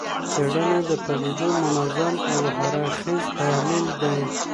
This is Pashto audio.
څېړنه د پدیدو منظم او هر اړخیز تحلیل دی.